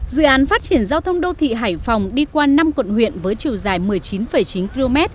dự án phát triển giao thông đô thị hải phòng đi qua năm quận huyện với chiều dài một mươi chín chín km